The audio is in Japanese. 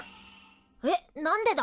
えっ何でだ！？